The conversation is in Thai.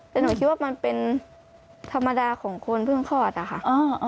แต่หนูคิดว่ามันเป็นธรรมดาของคนเพิ่งคลอดอะค่ะ